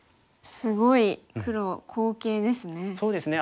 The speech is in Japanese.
すごい黒好形ですね。